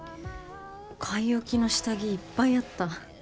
買い置きの下着いっぱいあった。